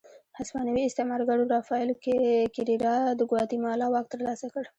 هسپانوي استعمارګرو رافایل کېریرا د ګواتیمالا واک ترلاسه کړ.